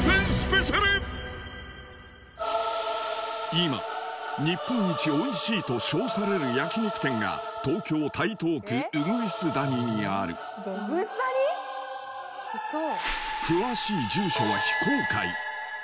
今日本一おいしいと称される焼肉店が東京台東区鶯谷にある鶯谷ウソー？